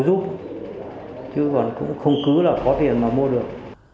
chứ còn cũng không cứ là có tiền mà mua được